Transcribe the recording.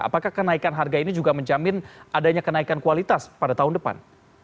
apakah kenaikan harga ini juga menjamin adanya kenaikan kualitas pada tahun depan